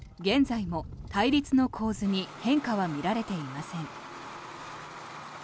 現在も対立の構図に変化は見られていません。